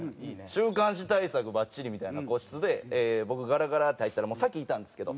週刊誌対策バッチリみたいな個室で僕ガラガラって入ったらもう先いたんですけど。